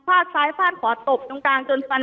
แต่คุณยายจะขอย้ายโรงเรียน